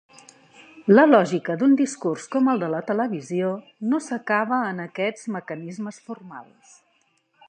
La lògica d'un discurs com el de la televisió, no s'acaba en aquests mecanismes formals.